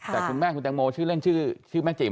แต่คุณแม่คุณแตงโมชื่อเล่นชื่อแม่จิ๋